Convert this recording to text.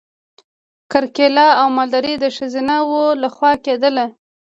کرکیله او مالداري د ښځینه وو لخوا کیدله.